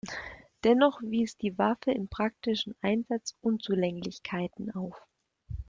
Dennoch wies die Waffe im praktischen Einsatz Unzulänglichkeiten auf.